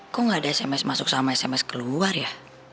kok gak ada sms masuk sama sms keluar ya